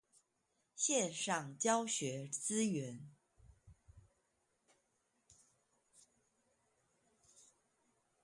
線上教學資源